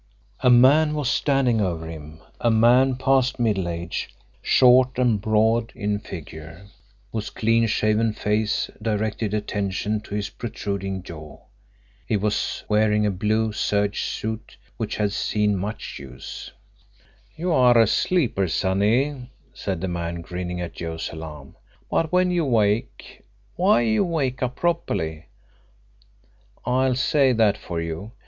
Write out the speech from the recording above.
A man was standing over him, a man past middle age, short and broad in figure, whose clean shaven face directed attention to his protruding jaw. He was wearing a blue serge suit which had seen much use. "You are a sound sleeper, sonny," said the man, grinning at Joe's alarm. "But when you wake why you wake up properly; I'll say that for you.